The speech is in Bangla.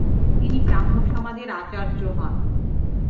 তিনি ব্রহ্মসমাজের আচার্য হন।